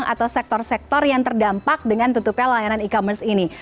ada juga dari sektor sektor yang terdampak dengan tutupnya layanan e commerce ini